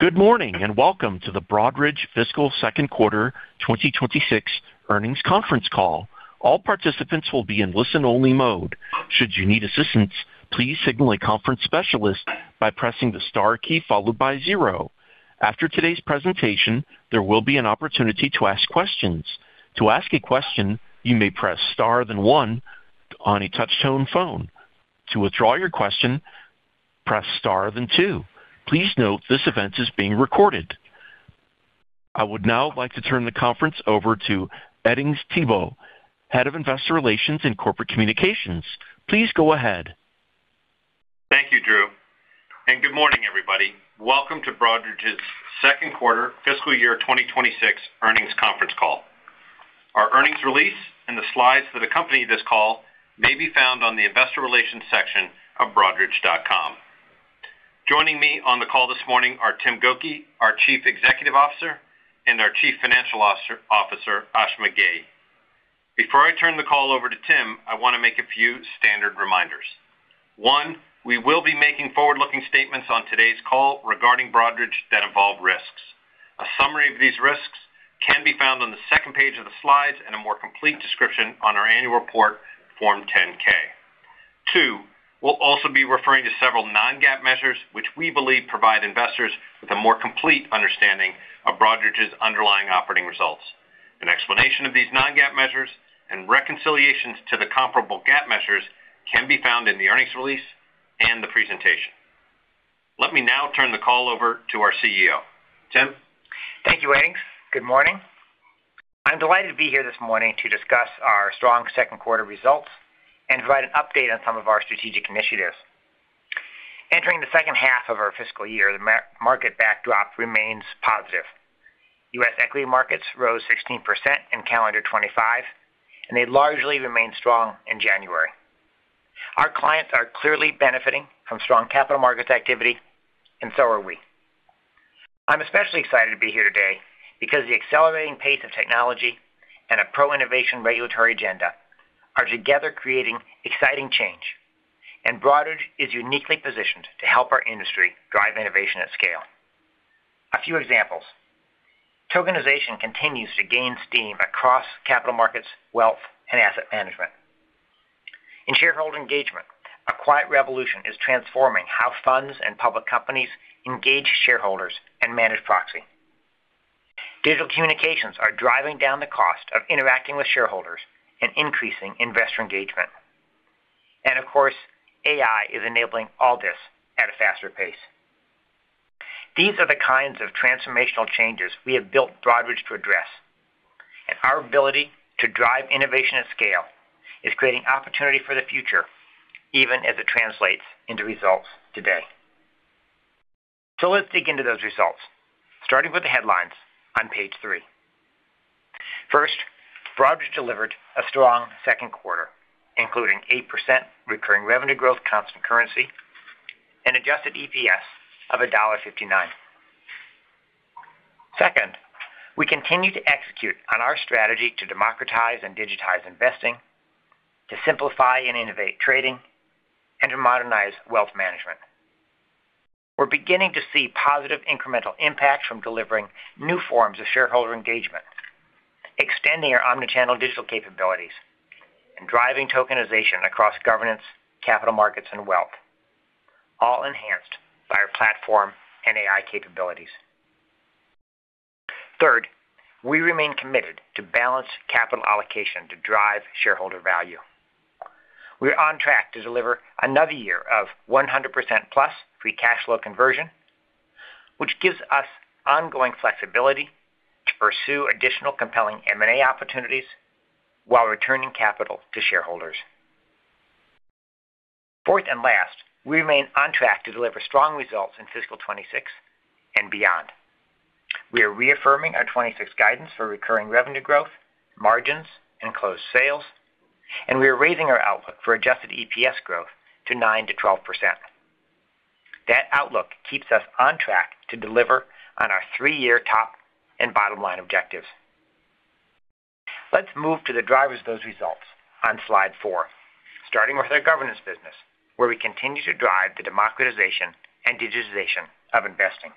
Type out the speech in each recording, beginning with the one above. Good morning and welcome to the Broadridge Fiscal Second Quarter 2026 Earnings Conference Call. All participants will be in listen-only mode. Should you need assistance, please signal a conference specialist by pressing the star key followed by zero. After today's presentation, there will be an opportunity to ask questions. To ask a question, you may press star then one on a touch-tone phone. To withdraw your question, press star then two. Please note this event is being recorded. I would now like to turn the conference over to Edings Thibault, Head of Investor Relations and Corporate Communications. Please go ahead. Thank you, Drew. Good morning, everybody. Welcome to Broadridge's Second Quarter Fiscal Year 2026 Earnings Conference Call. Our earnings release and the slides that accompany this call may be found on the Investor Relations section of broadridge.com. Joining me on the call this morning are Tim Gokey, our Chief Executive Officer, and our Chief Financial Officer, Ashima Ghei. Before I turn the call over to Tim, I want to make a few standard reminders. One, we will be making forward-looking statements on today's call regarding Broadridge that involve risks. A summary of these risks can be found on the second page of the slides and a more complete description on our annual report, Form 10-K. Two, we'll also be referring to several non-GAAP measures which we believe provide investors with a more complete understanding of Broadridge's underlying operating results. An explanation of these non-GAAP measures and reconciliations to the comparable GAAP measures can be found in the earnings release and the presentation. Let me now turn the call over to our CEO. Tim? Thank you, Edings. Good morning. I'm delighted to be here this morning to discuss our strong second quarter results and provide an update on some of our strategic initiatives. Entering the second half of our fiscal year, the market backdrop remains positive. U.S. equity markets rose 16% in calendar 2025, and they largely remained strong in January. Our clients are clearly benefiting from strong Capital Markets activity, and so are we. I'm especially excited to be here today because the accelerating pace of technology and a pro-innovation Regulatory agenda are together creating exciting change, and Broadridge is uniquely positioned to help our industry drive innovation at scale. A few examples: tokenization continues to gain steam across Capital Markets, Wealth, and asset management. In shareholder engagement, a quiet revolution is transforming how funds and public companies engage shareholders and manage proxy. Digital communications are driving down the cost of interacting with shareholders and increasing investor engagement. And of course, AI is enabling all this at a faster pace. These are the kinds of transformational changes we have built Broadridge to address, and our ability to drive innovation at scale is creating opportunity for the future, even as it translates into results today. So let's dig into those results, starting with the headlines on page three. First, Broadridge delivered a strong second quarter, including 8% recurring revenue growth constant currency and adjusted EPS of $1.59. Second, we continue to execute on our strategy to democratize and digitize investing, to simplify and innovate trading, and to modernize wealth management. We're beginning to see positive incremental impacts from delivering new forms of shareholder engagement, extending our omnichannel digital capabilities, and driving tokenization across governance, Capital Markets, and Wealth, all enhanced by our platform and AI capabilities. Third, we remain committed to balanced capital allocation to drive shareholder value. We're on track to deliver another year of 100% plus free cash flow conversion, which gives us ongoing flexibility to pursue additional compelling M&A opportunities while returning capital to shareholders. Fourth and last, we remain on track to deliver strong results in fiscal 2026 and beyond. We are reaffirming our 2026 guidance for recurring revenue growth, margins, and closed sales, and we are raising our outlook for adjusted EPS growth to 9%-12%. That outlook keeps us on track to deliver on our three-year top and bottom line objectives. Let's move to the drivers of those results on Slide four, starting with our governance business, where we continue to drive the democratization and digitization of investing.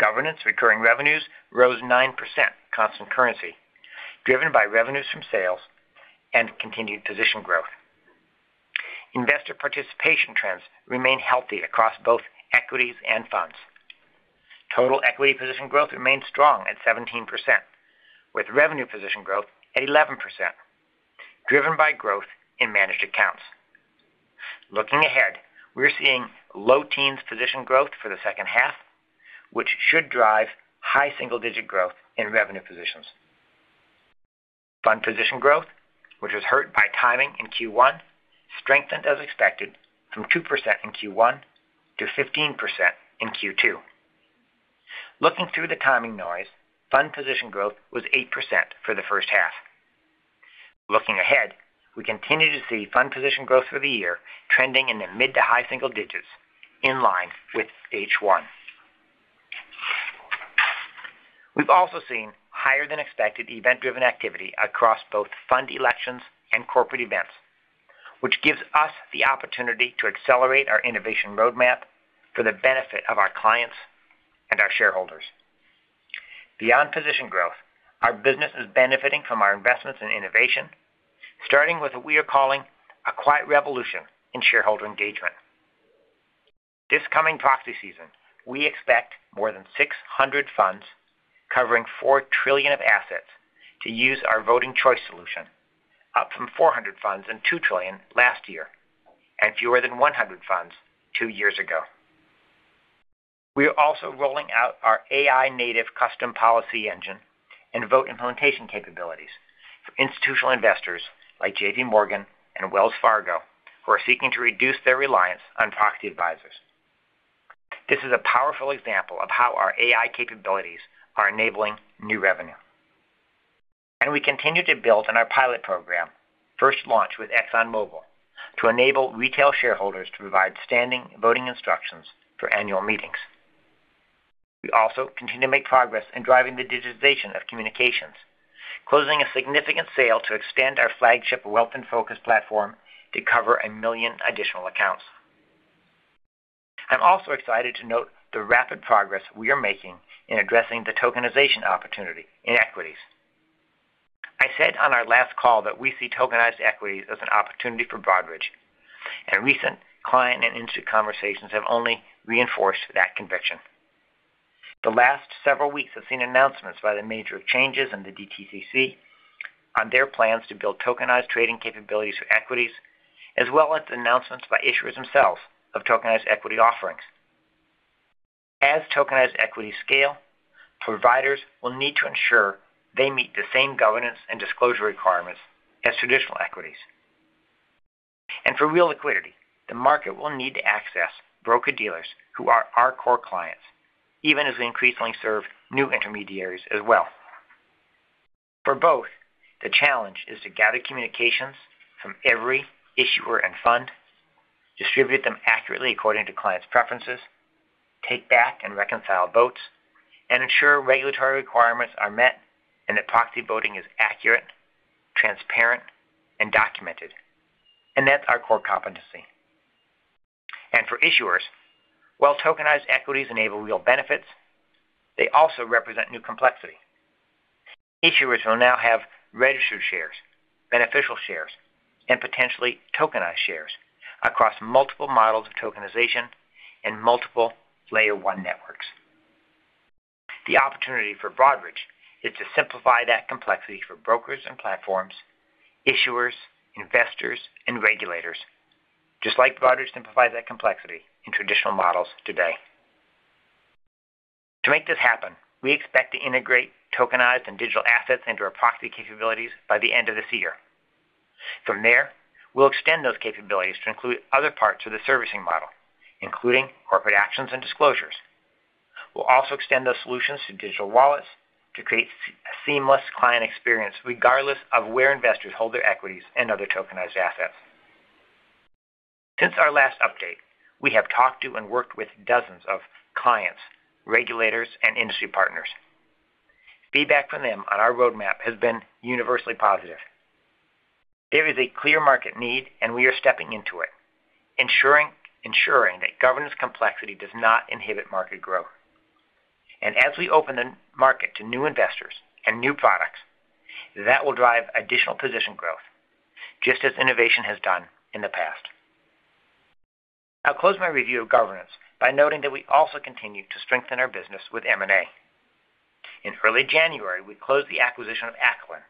Governance recurring revenues rose 9% constant currency, driven by revenues from sales and continued position growth. Investor participation trends remain healthy across both equities and funds. Total equity position growth remained strong at 17%, with revenue position growth at 11%, driven by growth in managed accounts. Looking ahead, we're seeing low teens position growth for the second half, which should drive high single-digit growth in revenue positions. Fund position growth, which was hurt by timing in Q1, strengthened as expected from 2% in Q1 to 15% in Q2. Looking through the timing noise, fund position growth was 8% for the first half. Looking ahead, we continue to see fund position growth for the year trending in the mid to high single digits, in line with H1. We've also seen higher-than-expected event-driven activity across both fund elections and corporate events, which gives us the opportunity to accelerate our innovation roadmap for the benefit of our clients and our shareholders. Beyond position growth, our business is benefiting from our investments in innovation, starting with what we are calling a quiet revolution in shareholder engagement. This coming proxy season, we expect more than 600 funds covering $4 trillion of assets to use our Voting Choice solution, up from 400 funds and $2 trillion last year and fewer than 100 funds two years ago. We are also rolling out our AI-native custom policy engine and vote implementation capabilities for institutional investors like J.P. Morgan and Wells Fargo, who are seeking to reduce their reliance on proxy advisors. This is a powerful example of how our AI capabilities are enabling new revenue. We continue to build on our pilot program, first launched with ExxonMobil, to enable retail shareholders to provide standing voting instructions for annual meetings. We also continue to make progress in driving the digitization of communications, closing a significant sale to expand our flagship Wealth InFocus platform to cover 1 million additional accounts. I'm also excited to note the rapid progress we are making in addressing the tokenization opportunity in equities. I said on our last call that we see tokenized equities as an opportunity for Broadridge, and recent client and institute conversations have only reinforced that conviction. The last several weeks have seen announcements by the majors of changes in the DTCC on their plans to build tokenized trading capabilities for equities, as well as announcements by issuers themselves of tokenized equity offerings. As tokenized equities scale, providers will need to ensure they meet the same governance and disclosure requirements as traditional equities. For real liquidity, the market will need to access broker-dealers who are our core clients, even as we increasingly serve new intermediaries as well. For both, the challenge is to gather communications from every issuer and fund, distribute them accurately according to clients' preferences, take back and reconcile votes, and ensure regulatory requirements are met and that proxy voting is accurate, transparent, and documented, and that's our core competency. For issuers, while tokenized equities enable real benefits, they also represent new complexity. Issuers will now have registered shares, beneficial shares, and potentially tokenized shares across multiple models of tokenization and multiple Layer 1 networks. The opportunity for Broadridge is to simplify that complexity for brokers and platforms, issuers, investors, and regulators, just like Broadridge simplifies that complexity in traditional models today. To make this happen, we expect to integrate tokenized and digital assets into our proxy capabilities by the end of this year. From there, we'll extend those capabilities to include other parts of the servicing model, including corporate actions and disclosures. We'll also extend those solutions to digital wallets to create a seamless client experience regardless of where investors hold their equities and other tokenized assets. Since our last update, we have talked to and worked with dozens of clients, regulators, and industry partners. Feedback from them on our roadmap has been universally positive. There is a clear market need, and we are stepping into it, ensuring that governance complexity does not inhibit market growth. And as we open the market to new investors and new products, that will drive additional position growth, just as innovation has done in the past. I'll close my review of governance by noting that we also continue to strengthen our business with M&A. In early January, we closed the acquisition of Acolin,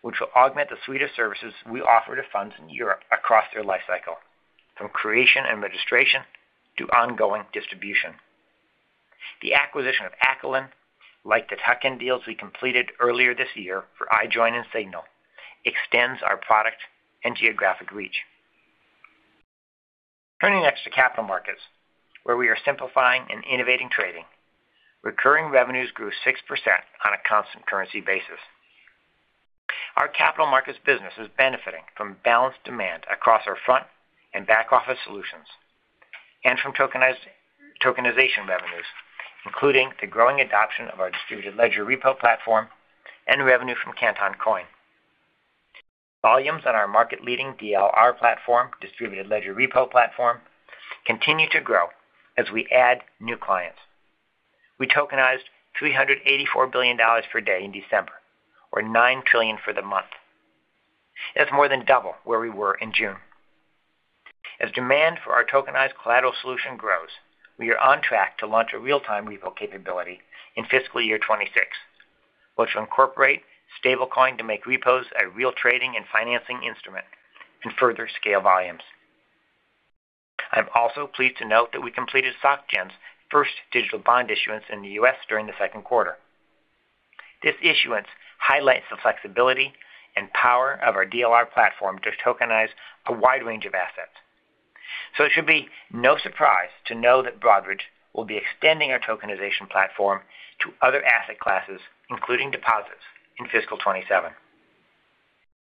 which will augment the suite of services we offer to funds in Europe across their lifecycle, from creation and registration to ongoing distribution. The acquisition of Acolin, like the tuck-in deals we completed earlier this year for iJoin and Signal, extends our product and geographic reach. Turning next to Capital Markets, where we are simplifying and innovating trading, recurring revenues grew 6% on a constant currency basis. Our Capital Markets business is benefiting from balanced demand across our front and back office solutions and from tokenization revenues, including the growing adoption of our distributed ledger repo platform and revenue from Canton Coin. Volumes on our market-leading DLR platform, distributed ledger repo platform, continue to grow as we add new clients. We tokenized $384 billion per day in December, or $9 trillion for the month. That's more than double where we were in June. As demand for our tokenized collateral solution grows, we are on track to launch a real-time repo capability in fiscal year 2026, which will incorporate stablecoin to make repos a real trading and financing instrument and further scale volumes. I'm also pleased to note that we completed Société Générale's first digital bond issuance in the U.S. during the second quarter. This issuance highlights the flexibility and power of our DLR platform to tokenize a wide range of assets. So it should be no surprise to know that Broadridge will be extending our tokenization platform to other asset classes, including deposits, in fiscal 2027.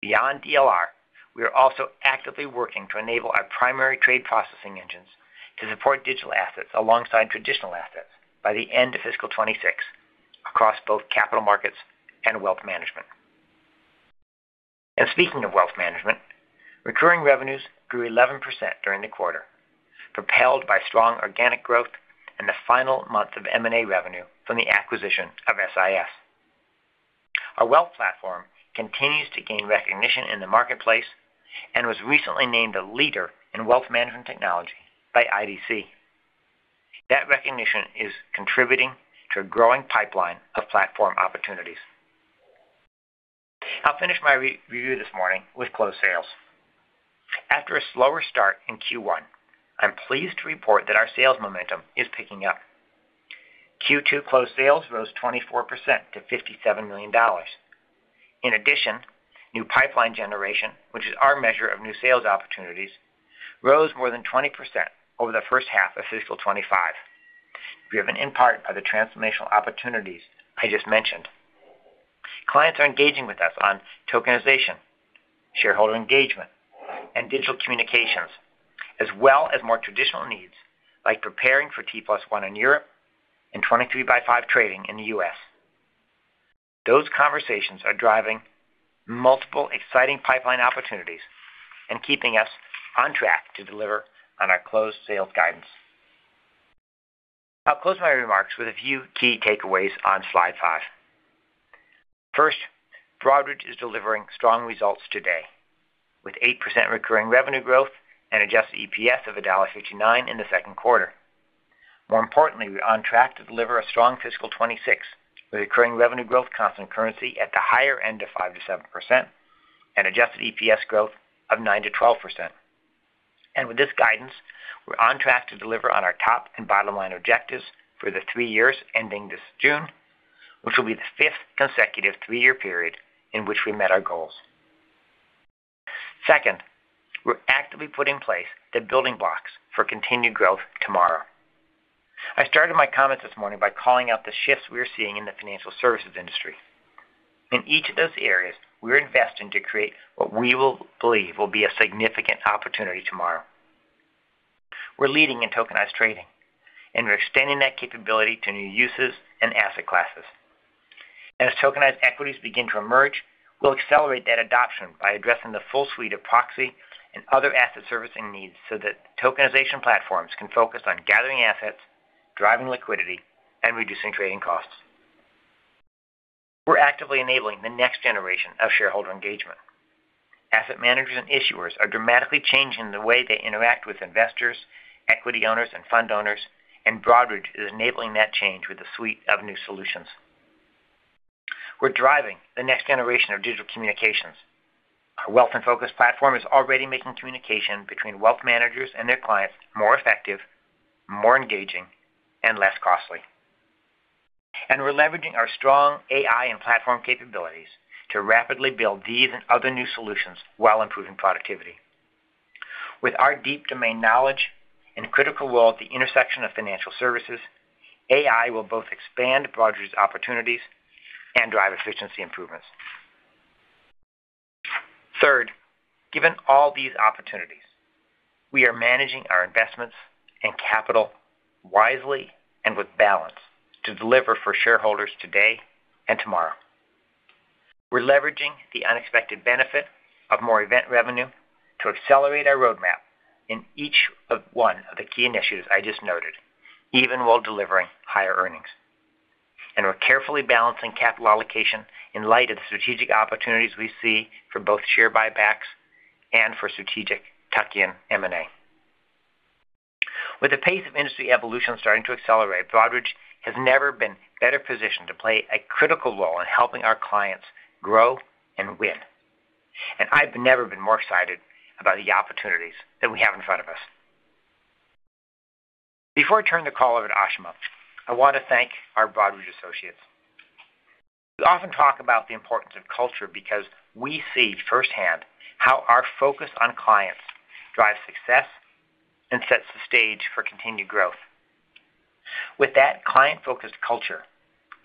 Beyond DLR, we are also actively working to enable our primary trade processing engines to support digital assets alongside traditional assets by the end of fiscal 2026 across both Capital Markets and wealth management. Speaking of wealth management, recurring revenues grew 11% during the quarter, propelled by strong organic growth and the final month of M&A revenue from the acquisition of SIS. Our wealth platform continues to gain recognition in the marketplace and was recently named a leader in wealth management technology by IDC. That recognition is contributing to a growing pipeline of platform opportunities. I'll finish my review this morning with closed sales. After a slower start in Q1, I'm pleased to report that our sales momentum is picking up. Q2 closed sales rose 24% to $57 million. In addition, new pipeline generation, which is our measure of new sales opportunities, rose more than 20% over the first half of fiscal 2025, driven in part by the transformational opportunities I just mentioned. Clients are engaging with us on tokenization, shareholder engagement, and digital communications, as well as more traditional needs like preparing for T+1 in Europe and 23x5 trading in the U.S. Those conversations are driving multiple exciting pipeline opportunities and keeping us on track to deliver on our closed sales guidance. I'll close my remarks with a few key takeaways on Slide five. First, Broadridge is delivering strong results today, with 8% recurring revenue growth and adjusted EPS of $1.59 in the second quarter. More importantly, we're on track to deliver a strong fiscal 2026 with recurring revenue growth constant currency at the higher end of 5%-7% and adjusted EPS growth of 9%-12%. With this guidance, we're on track to deliver on our top and bottom line objectives for the three years ending this June, which will be the fifth consecutive three-year period in which we met our goals. Second, we're actively putting in place the building blocks for continued growth tomorrow. I started my comments this morning by calling out the shifts we are seeing in the financial services industry. In each of those areas, we are investing to create what we believe will be a significant opportunity tomorrow. We're leading in tokenized trading, and we're extending that capability to new uses and asset classes. As tokenized equities begin to emerge, we'll accelerate that adoption by addressing the full suite of proxy and other asset servicing needs so that tokenization platforms can focus on gathering assets, driving liquidity, and reducing trading costs. We're actively enabling the next generation of shareholder engagement. Asset managers and issuers are dramatically changing the way they interact with investors, equity owners, and fund owners, and Broadridge is enabling that change with a suite of new solutions. We're driving the next generation of digital communications. Our Wealth InFocus platform is already making communication between wealth managers and their clients more effective, more engaging, and less costly. We're leveraging our strong AI and platform capabilities to rapidly build these and other new solutions while improving productivity. With our deep domain knowledge and critical role at the intersection of financial services, AI will both expand Broadridge's opportunities and drive efficiency improvements. Third, given all these opportunities, we are managing our investments and capital wisely and with balance to deliver for shareholders today and tomorrow. We're leveraging the unexpected benefit of more event revenue to accelerate our roadmap in each one of the key initiatives I just noted, even while delivering higher earnings. We're carefully balancing capital allocation in light of the strategic opportunities we see for both share buybacks and for strategic tuck-in M&A. With the pace of industry evolution starting to accelerate, Broadridge has never been better positioned to play a critical role in helping our clients grow and win. I've never been more excited about the opportunities that we have in front of us. Before I turn the call over to Ashima, I want to thank our Broadridge associates. We often talk about the importance of culture because we see firsthand how our focus on clients drives success and sets the stage for continued growth. With that client-focused culture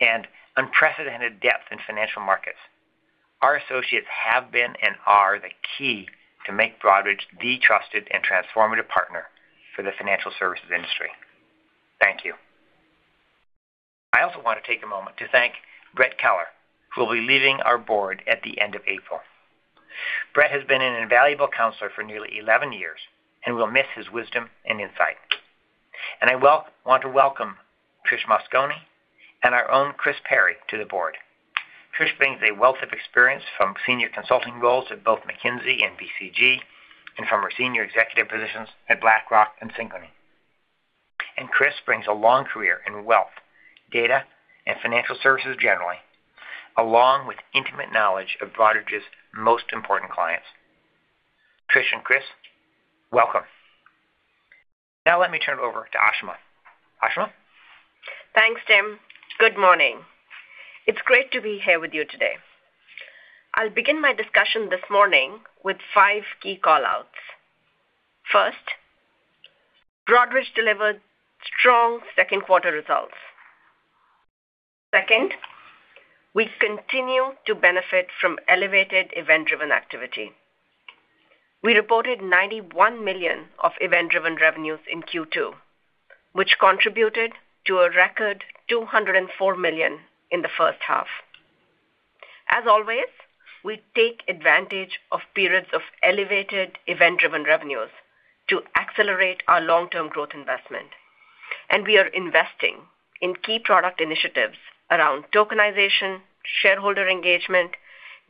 and unprecedented depth in financial markets, our associates have been and are the key to make Broadridge the trusted and transformative partner for the financial services industry. Thank you. I also want to take a moment to thank Brett Keller, who will be leaving our board at the end of April. Brett has been an invaluable counselor for nearly 11 years, and we'll miss his wisdom and insight. And I want to welcome Trish Mosconi and our own Chris Perry to the board. Trish brings a wealth of experience from senior consulting roles at both McKinsey and BCG and from her senior executive positions at BlackRock and Synchrony. Chris brings a long career in wealth, data, and financial services generally, along with intimate knowledge of Broadridge's most important clients. Trish and Chris, welcome. Now let me turn it over to Ashima. Ashima? Thanks, Tim. Good morning. It's great to be here with you today. I'll begin my discussion this morning with five key callouts. First, Broadridge delivered strong second quarter results. Second, we continue to benefit from elevated event-driven activity. We reported $91 million of event-driven revenues in Q2, which contributed to a record $204 million in the first half. As always, we take advantage of periods of elevated event-driven revenues to accelerate our long-term growth investment. We are investing in key product initiatives around tokenization, shareholder engagement,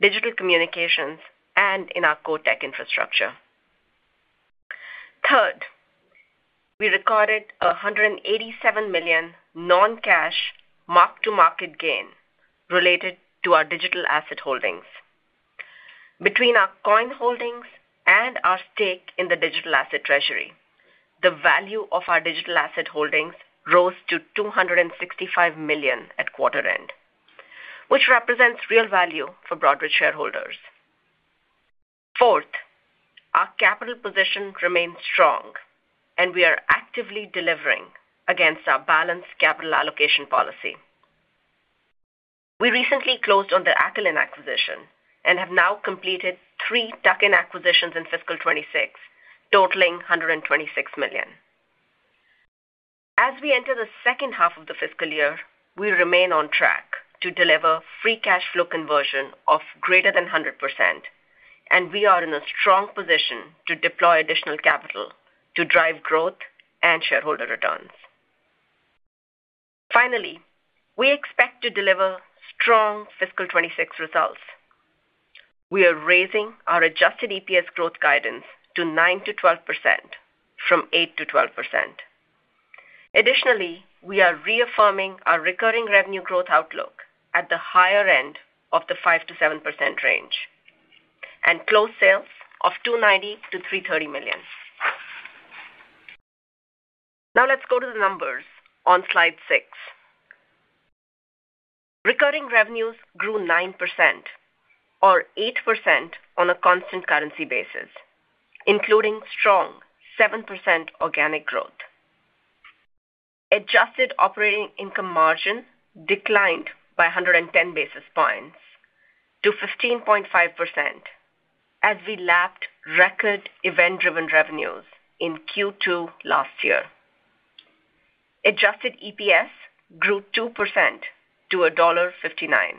digital communications, and in our core tech infrastructure. Third, we recorded $187 million non-cash mark-to-market gain related to our digital asset holdings. Between our coin holdings and our stake in the digital asset treasury, the value of our digital asset holdings rose to $265 million at quarter end, which represents real value for Broadridge shareholders. Fourth, our capital position remains strong, and we are actively delivering against our balanced capital allocation policy. We recently closed on the Acolin acquisition and have now completed three tuck-in acquisitions in fiscal 2026, totaling $126 million. As we enter the second half of the fiscal year, we remain on track to deliver free cash flow conversion of greater than 100%, and we are in a strong position to deploy additional capital to drive growth and shareholder returns. Finally, we expect to deliver strong fiscal 2026 results. We are raising our adjusted EPS growth guidance to 9%-12% from 8%-12%. Additionally, we are reaffirming our recurring revenue growth outlook at the higher end of the 5%-7% range and closed sales of $290 million-$330 million. Now let's go to the numbers on Slide six. Recurring revenues grew 9% or 8% on a constant currency basis, including strong 7% organic growth. Adjusted operating income margin declined by 110 basis points to 15.5% as we lapped record event-driven revenues in Q2 last year. Adjusted EPS grew 2% to $1.59,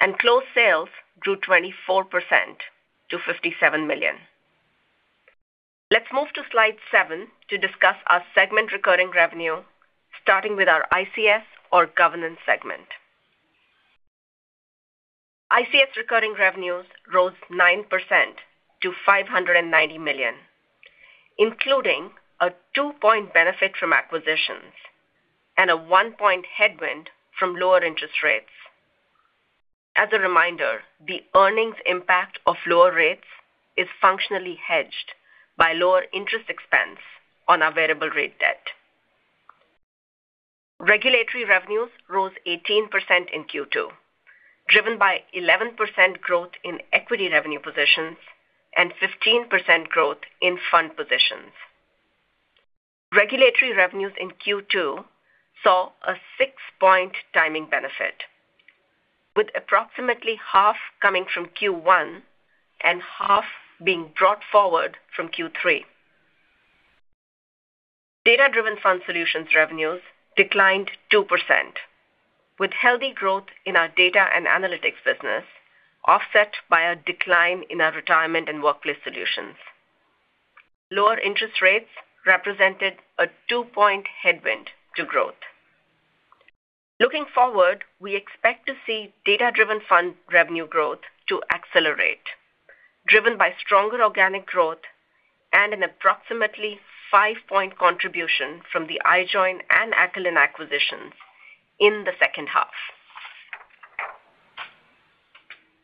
and closed sales grew 24% to $57 million. Let's move to Slide seven to discuss our segment recurring revenue, starting with our ICS or governance segment. ICS recurring revenues rose 9% to $590 million, including a two-point benefit from acquisitions and a one-point headwind from lower interest rates. As a reminder, the earnings impact of lower rates is functionally hedged by lower interest expense on available rate debt. Regulatory revenues rose 18% in Q2, driven by 11% growth in equity revenue positions and 15% growth in fund positions. Regulatory revenues in Q2 saw a 6-point timing benefit, with approximately half coming from Q1 and half being brought forward from Q3. Data-driven fund solutions revenues declined 2%, with healthy growth in our data and analytics business offset by a decline in our retirement and workplace solutions. Lower interest rates represented a 2-point headwind to growth. Looking forward, we expect to see data-driven fund revenue growth to accelerate, driven by stronger organic growth and an approximately 5-point contribution from the iJoin and Acolin acquisitions in the second half.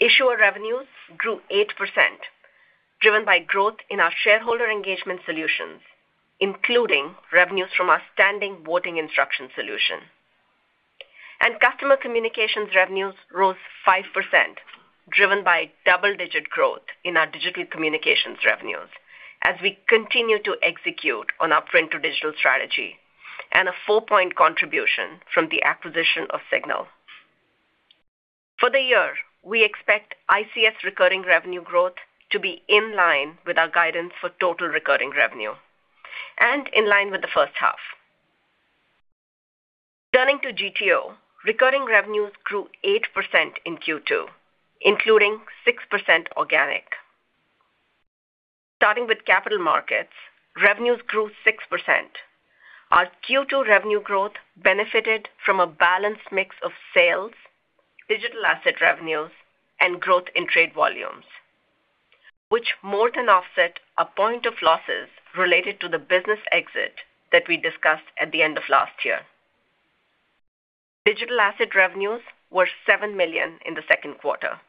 Issuer revenues grew 8%, driven by growth in our shareholder engagement solutions, including revenues from our standing voting instructions solution. Customer communications revenues rose 5%, driven by double-digit growth in our digital communications revenues as we continue to execute on our print-to-digital strategy and a 4-point contribution from the acquisition of Signal. For the year, we expect ICS recurring revenue growth to be in line with our guidance for total recurring revenue and in line with the first half. Turning to GTO, recurring revenues grew 8% in Q2, including 6% organic. Starting with Capital Markets, revenues grew 6%. Our Q2 revenue growth benefited from a balanced mix of sales, digital asset revenues, and growth in trade volumes, which more than offset a point of losses related to the business exit that we discussed at the end of last year. Digital asset revenues were $7 million in the second quarter.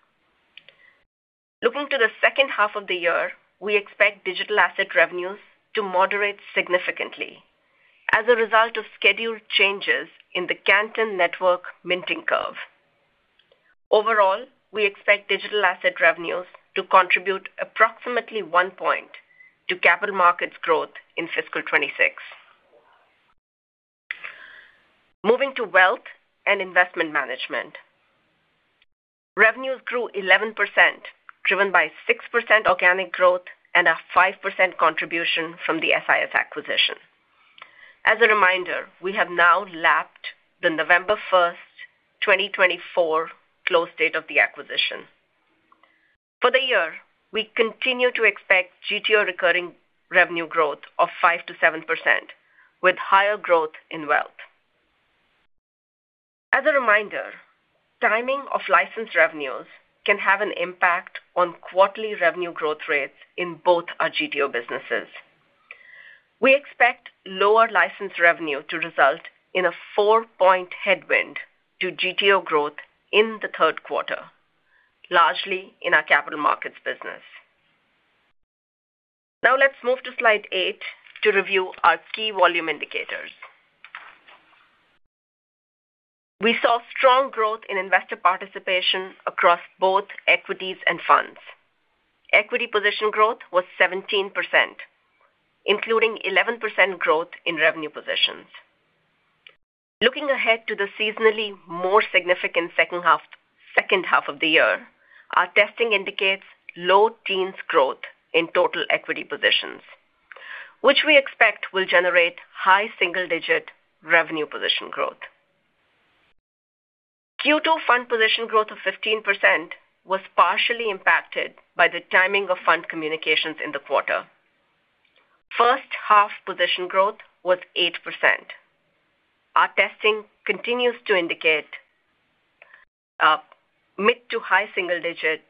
Looking to the second half of the year, we expect digital asset revenues to moderate significantly as a result of scheduled changes in the Canton Network minting curve. Overall, we expect digital asset revenues to contribute approximately one point to Capital Markets growth in fiscal 2026. Moving to wealth and investment management. Revenues grew 11%, driven by 6% organic growth and a 5% contribution from the SIS acquisition. As a reminder, we have now lapped the November 1st, 2024, close date of the acquisition. For the year, we continue to expect GTO recurring revenue growth of 5%-7% with higher growth in wealth. As a reminder, timing of license revenues can have an impact on quarterly revenue growth rates in both our GTO businesses. We expect lower license revenue to result in a four-point headwind to GTO growth in the third quarter, largely in our Capital Markets business. Now let's move to Slide eight to review our key volume indicators. We saw strong growth in investor participation across both equities and funds. Equity position growth was 17%, including 11% growth in revenue positions. Looking ahead to the seasonally more significant second half of the year, our testing indicates low teens growth in total equity positions, which we expect will generate high single-digit revenue position growth. Q2 fund position growth of 15% was partially impacted by the timing of fund communications in the quarter. First half position growth was 8%. Our testing continues to indicate mid to high single-digit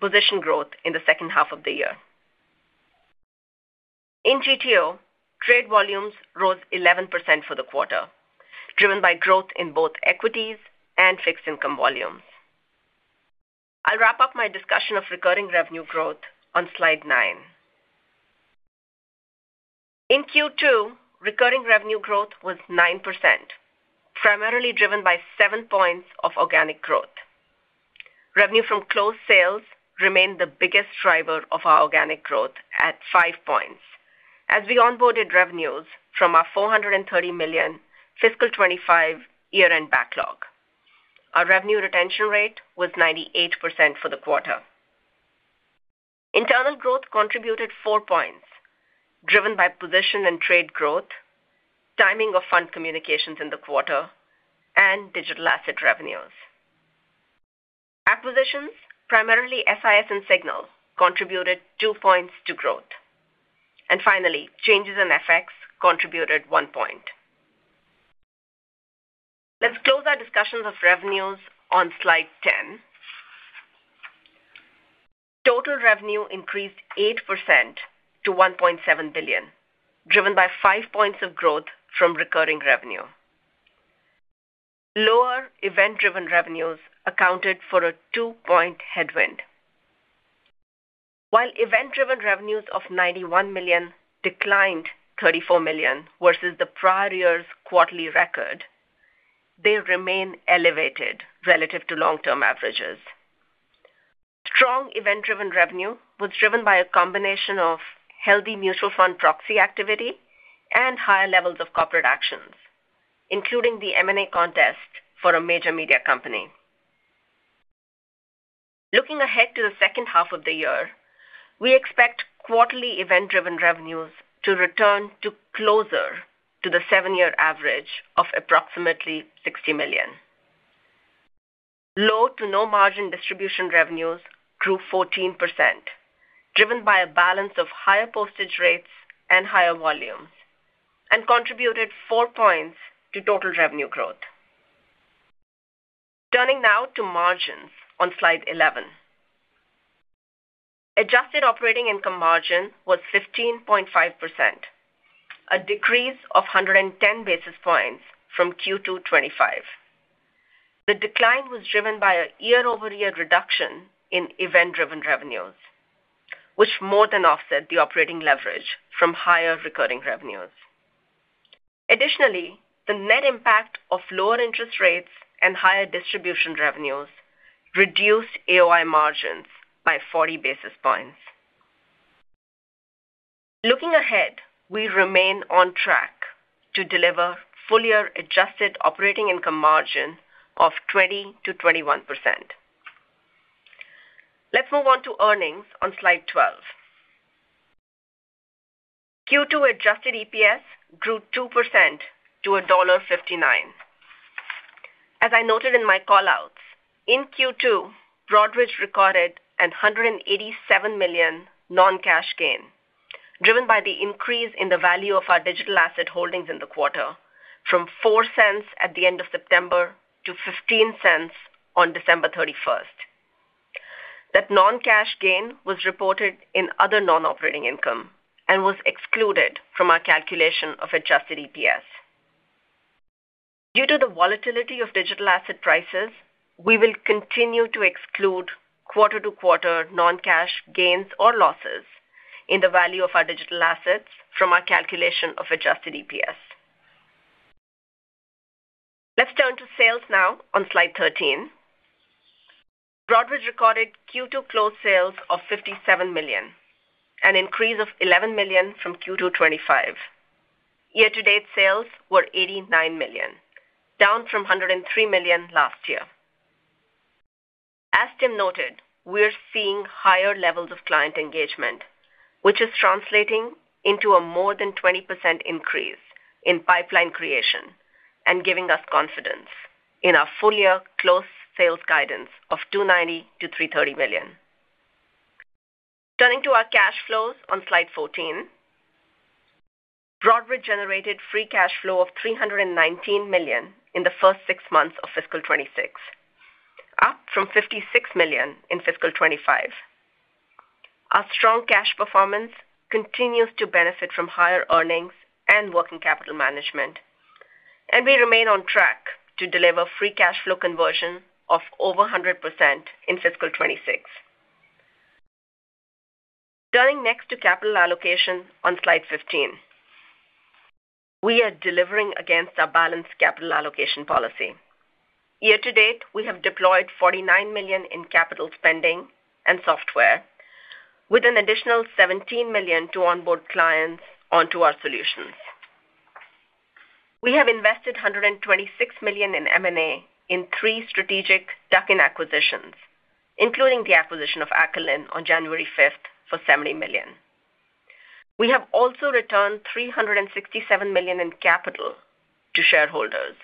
position growth in the second half of the year. In GTO, trade volumes rose 11% for the quarter, driven by growth in both equities and fixed income volumes. I'll wrap up my discussion of recurring revenue growth on Slide nine. In Q2, recurring revenue growth was 9%, primarily driven by seven points of organic growth. Revenue from closed sales remained the biggest driver of our organic growth at five points as we onboarded revenues from our $430 million fiscal 2025 year-end backlog. Our revenue retention rate was 98% for the quarter. Internal growth contributed four points, driven by position and trade growth, timing of fund communications in the quarter, and digital asset revenues. Acquisitions, primarily SIS and Signal, contributed two points to growth. Finally, changes in FX contributed one point. Let's close our discussions of revenues on Slide 10. Total revenue increased 8% to $1.7 billion, driven by 5 points of growth from recurring revenue. Lower event-driven revenues accounted for a two-point headwind. While event-driven revenues of $91 million declined $34 million versus the prior year's quarterly record, they remain elevated relative to long-term averages. Strong event-driven revenue was driven by a combination of healthy mutual fund proxy activity and higher levels of corporate actions, including the M&A contest for a major media company. Looking ahead to the second half of the year, we expect quarterly event-driven revenues to return to closer to the seven year average of approximately $60 million. Low- to no-margin distribution revenues grew 14%, driven by a mix of higher postage rates and higher volumes, and contributed 4 points to total revenue growth. Turning now to margins on Slide 11. Adjusted operating income margin was 15.5%, a decrease of 110 basis points from Q2 2025. The decline was driven by a year-over-year reduction in event-driven revenues, which more than offset the operating leverage from higher recurring revenues. Additionally, the net impact of lower interest rates and higher distribution revenues reduced AOI margins by 40 basis points. Looking ahead, we remain on track to deliver full-year adjusted operating income margin of 20%-21%. Let's move on to earnings on Slide 12. Q2 adjusted EPS grew 2% to $1.59. As I noted in my callouts, in Q2, Broadridge recorded a $187 million non-cash gain, driven by the increase in the value of our digital asset holdings in the quarter from $0.04 at the end of September to $0.15 on December 31st. That non-cash gain was reported in other non-operating income and was excluded from our calculation of adjusted EPS. Due to the volatility of digital asset prices, we will continue to exclude quarter-to-quarter non-cash gains or losses in the value of our digital assets from our calculation of adjusted EPS. Let's turn to sales now on Slide 13. Broadridge recorded Q2 closed sales of $57 million, an increase of $11 million from Q2 2025. Year-to-date sales were $89 million, down from $103 million last year. As Tim noted, we are seeing higher levels of client engagement, which is translating into a more than 20% increase in pipeline creation and giving us confidence in our full-year closed sales guidance of $290 million-$330 million. Turning to our cash flows on Slide 14. Broadridge generated free cash flow of $319 million in the first six months of fiscal 2026, up from $56 million in fiscal 2025. Our strong cash performance continues to benefit from higher earnings and working capital management, and we remain on track to deliver free cash flow conversion of over 100% in fiscal 2026. Turning next to capital allocation on Slide 15. We are delivering against our balanced capital allocation policy. Year-to-date, we have deployed $49 million in capital spending and software, with an additional $17 million to onboard clients onto our solutions. We have invested $126 million in M&A in three strategic tuck-in acquisitions, including the acquisition of Acolin on January 5th for $70 million. We have also returned $367 million in capital to shareholders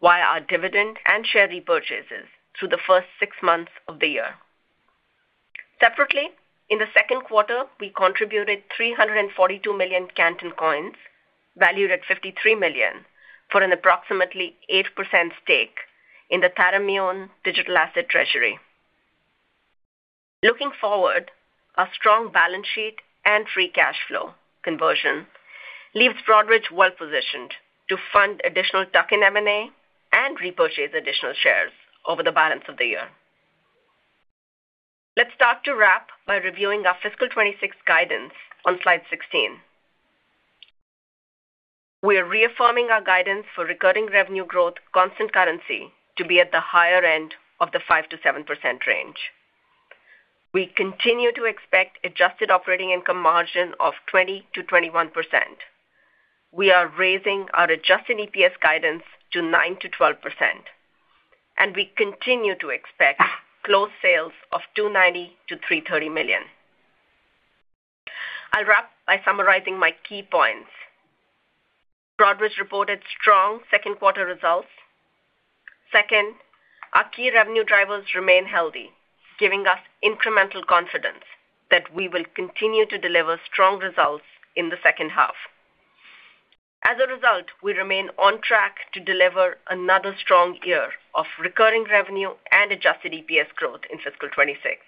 via our dividend and share repurchases through the first six months of the year. Separately, in the second quarter, we contributed 342 million Canton Coins valued at $53 million for an approximately 8% stake in the Tharimmune Digital Asset Treasury. Looking forward, our strong balance sheet and free cash flow conversion leaves Broadridge well-positioned to fund additional tuck-in M&A and repurchase additional shares over the balance of the year. Let's start to wrap by reviewing our fiscal 2026 guidance on Slide 16. We are reaffirming our guidance for recurring revenue growth constant currency to be at the higher end of the 5%-7% range. We continue to expect adjusted operating income margin of 20%-21%. We are raising our adjusted EPS guidance to 9%-12%, and we continue to expect closed sales of $290 million-$330 million. I'll wrap by summarizing my key points. Broadridge reported strong second quarter results. Second, our key revenue drivers remain healthy, giving us incremental confidence that we will continue to deliver strong results in the second half. As a result, we remain on track to deliver another strong year of recurring revenue and adjusted EPS growth in fiscal 2026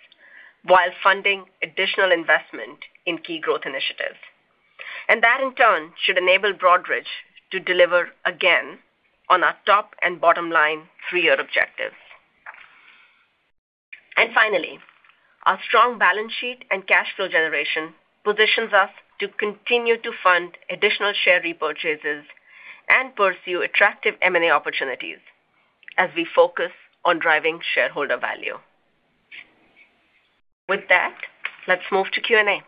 while funding additional investment in key growth initiatives. And that, in turn, should enable Broadridge to deliver again on our top and bottom line three-year objectives. Finally, our strong balance sheet and cash flow generation positions us to continue to fund additional share repurchases and pursue attractive M&A opportunities as we focus on driving shareholder value. With that, let's move to Q&A.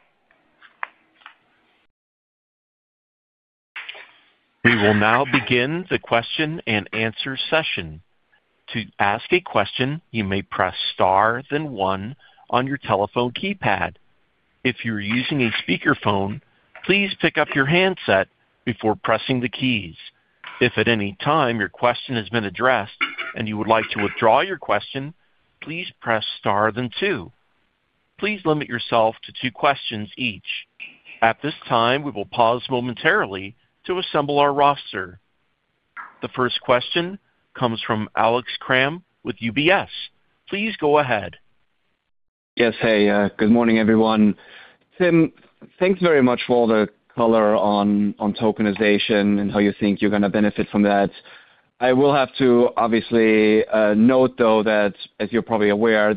We will now begin the question and answer session. To ask a question, you may press star then one on your telephone keypad. If you are using a speakerphone, please pick up your handset before pressing the keys. If at any time your question has been addressed and you would like to withdraw your question, please press star then two. Please limit yourself to two questions each. At this time, we will pause momentarily to assemble our roster. The first question comes from Alex Kramm with UBS. Please go ahead. Yes, hey. Good morning, everyone. Tim, thanks very much for all the color on tokenization and how you think you're going to benefit from that. I will have to obviously note, though, that as you're probably aware,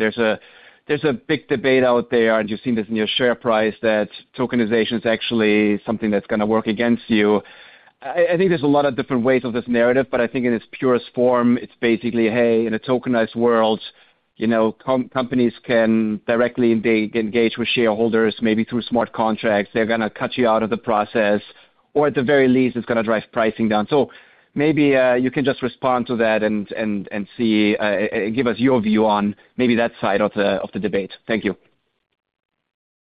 there's a big debate out there, and you've seen this in your share price, that tokenization is actually something that's going to work against you. I think there's a lot of different ways of this narrative, but I think in its purest form, it's basically, "Hey, in a tokenized world, companies can directly engage with shareholders, maybe through smart contracts. They're going to cut you out of the process, or at the very least, it's going to drive pricing down." So maybe you can just respond to that and give us your view on maybe that side of the debate. Thank you.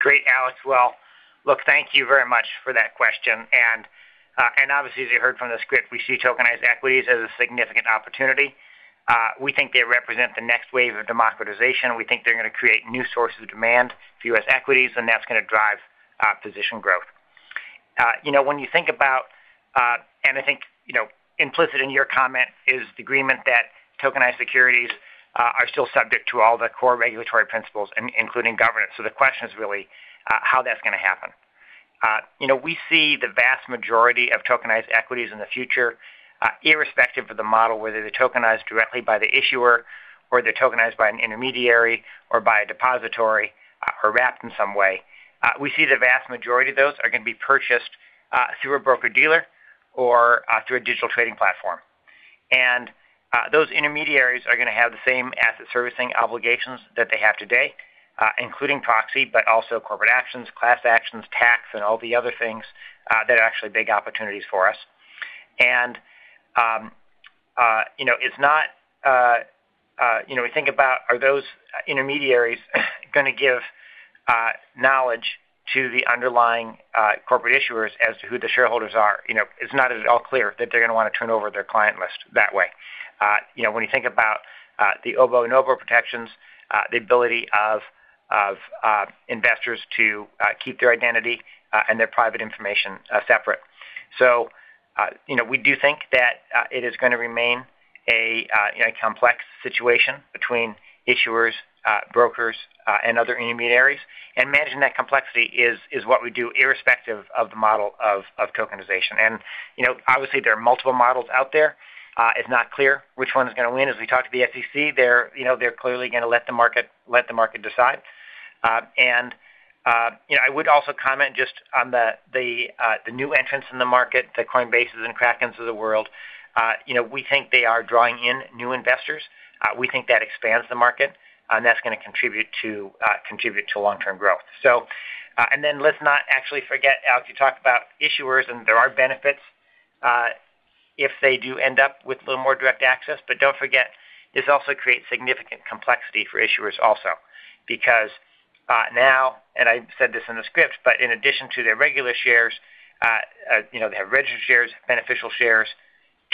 Great, Alex. Well, look, thank you very much for that question. And obviously, as you heard from the script, we see tokenized equities as a significant opportunity. We think they represent the next wave of democratization. We think they're going to create new sources of demand for U.S. equities, and that's going to drive position growth. When you think about and I think implicit in your comment is the agreement that tokenized securities are still subject to all the core regulatory principles, including governance. So the question is really how that's going to happen. We see the vast majority of tokenized equities in the future, irrespective of the model, whether they're tokenized directly by the issuer, or they're tokenized by an intermediary, or by a depository, or wrapped in some way. We see the vast majority of those are going to be purchased through a broker-dealer or through a digital trading platform. And those intermediaries are going to have the same asset servicing obligations that they have today, including proxy, but also corporate actions, class actions, tax, and all the other things that are actually big opportunities for us. And it's not we think about, "Are those intermediaries going to give knowledge to the underlying corporate issuers as to who the shareholders are?" It's not at all clear that they're going to want to turn over their client list that way. When you think about the OBO and NOBO protections, the ability of investors to keep their identity and their private information separate. So we do think that it is going to remain a complex situation between issuers, brokers, and other intermediaries. Managing that complexity is what we do, irrespective of the model of tokenization. Obviously, there are multiple models out there. It's not clear which one is going to win. As we talked to the SEC, they're clearly going to let the market decide. I would also comment just on the new entrants in the market, the Coinbase and Kraken of the world. We think they are drawing in new investors. We think that expands the market, and that's going to contribute to long-term growth. Then let's not actually forget, Alex, you talked about issuers, and there are benefits if they do end up with a little more direct access. But don't forget, this also creates significant complexity for issuers also because now, and I said this in the script, but in addition to their regular shares, they have registered shares, beneficial shares,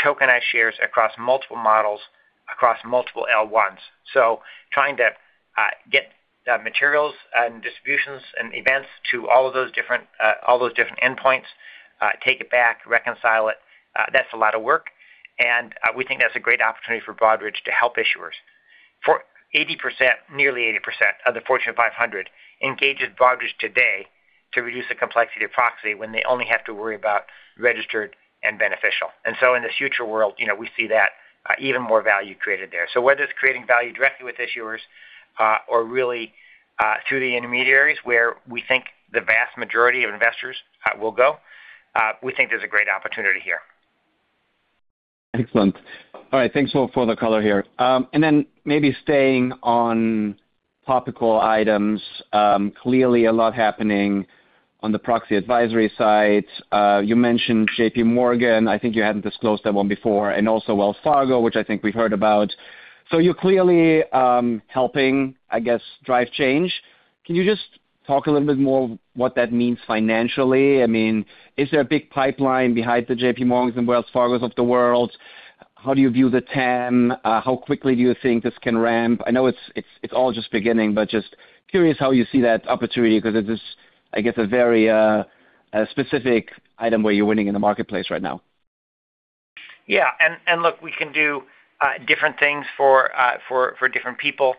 tokenized shares across multiple models, across multiple L1s. So trying to get materials and distributions and events to all of those different endpoints, take it back, reconcile it, that's a lot of work. And we think that's a great opportunity for Broadridge to help issuers. Nearly 80% of the Fortune 500 engages Broadridge today to reduce the complexity of proxy when they only have to worry about registered and beneficial. And so in the future world, we see that even more value created there. So whether it's creating value directly with issuers or really through the intermediaries, where we think the vast majority of investors will go, we think there's a great opportunity here. Excellent. All right, thanks for the color here. And then maybe staying on topical items, clearly a lot happening on the proxy advisory side. You mentioned JPMorgan. I think you hadn't disclosed that one before. And also Wells Fargo, which I think we've heard about. So you're clearly helping, I guess, drive change. Can you just talk a little bit more what that means financially? I mean, is there a big pipeline behind the JPMorgans and Wells Fargo of the world? How do you view the TAM? How quickly do you think this can ramp? I know it's all just beginning, but just curious how you see that opportunity because it is, I guess, a very specific item where you're winning in the marketplace right now. Yeah. And look, we can do different things for different people.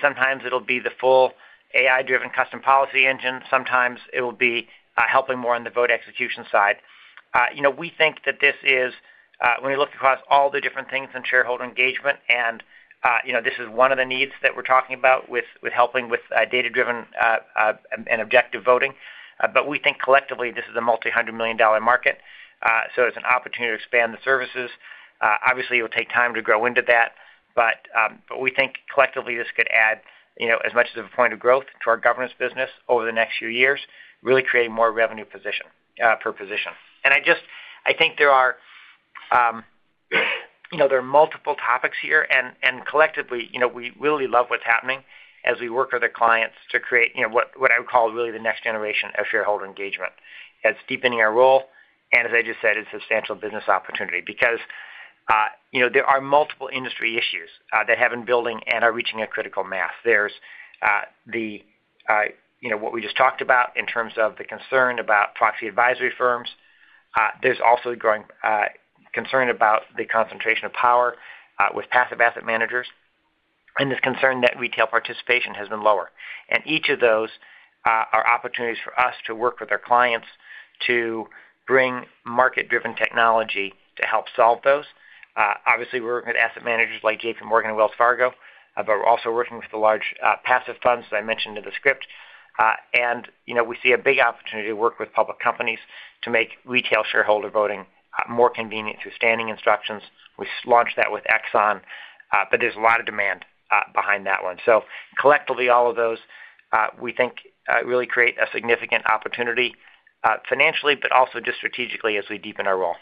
Sometimes it'll be the full AI-driven custom policy engine. Sometimes it'll be helping more on the vote execution side. We think that this is when you look across all the different things in shareholder engagement, and this is one of the needs that we're talking about with helping with data-driven and objective voting. But we think collectively, this is a multi-hundred million dollar market. So it's an opportunity to expand the services. Obviously, it'll take time to grow into that. But we think collectively, this could add as much as a point of growth to our governance business over the next few years, really creating more revenue per position. And I think there are multiple topics here. Collectively, we really love what's happening as we work with our clients to create what I would call really the next generation of shareholder engagement. It's deepening our role. And as I just said, it's a substantial business opportunity because there are multiple industry issues that have been building and are reaching a critical mass. There's what we just talked about in terms of the concern about proxy advisory firms. There's also a growing concern about the concentration of power with passive asset managers and this concern that retail participation has been lower. And each of those are opportunities for us to work with our clients to bring market-driven technology to help solve those. Obviously, we're working with asset managers like JPMorgan and Wells Fargo, but we're also working with the large passive funds that I mentioned in the script. We see a big opportunity to work with public companies to make retail shareholder voting more convenient through standing instructions. We launched that with Exxon, but there's a lot of demand behind that one. Collectively, all of those, we think, really create a significant opportunity financially, but also just strategically as we deepen our role.